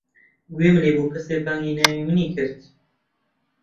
گوێم لێ بوو کەسێک بانگی ناوی منی کرد.